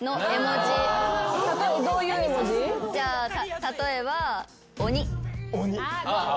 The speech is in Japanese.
じゃあ例えば。